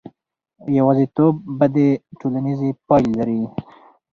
یوازیتوب بدې ټولنیزې پایلې لري.